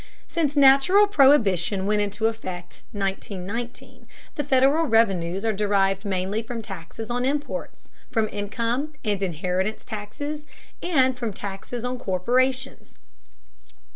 Since national prohibition went into effect (1919), the Federal revenues are derived mainly from taxes on imports, from income and inheritance taxes, and from taxes on corporations.